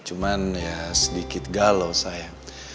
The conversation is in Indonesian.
cuman ya sedikit galau saya